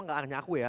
enggak hanya aku ya